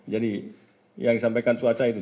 jadi yang disampaikan cuaca itu